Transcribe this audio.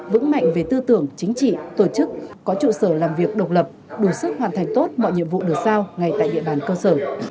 vững mạnh về tư tưởng chính trị tổ chức có trụ sở làm việc độc lập đủ sức hoàn thành tốt mọi nhiệm vụ được sao ngay tại địa bàn cơ sở